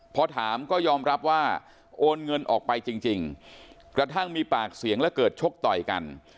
พอถามก็ยอมรับว่าโอนเงินออกไปจริงกระทั่งมีปากเสียงและเกิดชกต่อยกัน